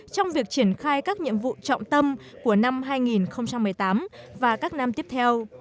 trong việc triển khai các nhiệm vụ trọng tâm của năm hai nghìn một mươi tám và các năm tiếp theo